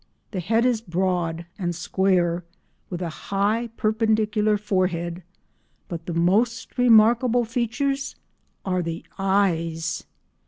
The head is broad and square, with a high perpendicular forehead, but the most remarkable features are the eyes.